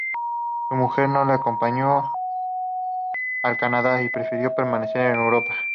Su mujer no le acompañó al Canadá, ya que prefirió permanecer en Europa.